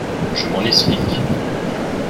Je m’en explique.